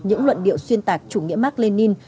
những luận điệu xuyên tạc chủ nghĩa mark lenin